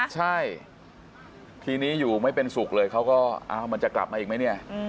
ใช่ทีนี้อยู่ไม่เป็นสุขเลยเขาก็มันจะกลับมาอีกไหมเนี่ย